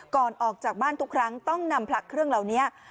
ก่อนออกจากบ้านทุกครั้งต้องนำพระเครื่องเหล่านี้